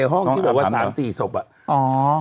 ห้องที่แบบว่า๓๔ศพอะ